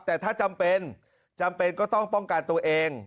แต่ถ้าจำเป็นจำเป็นก็ต้องป้องกันตัวเอง